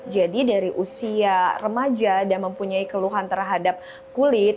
jadi dari usia remaja dan mempunyai keluhan terhadap kulit